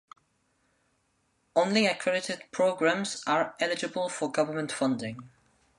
Only accredited programmes are eligible for government funding.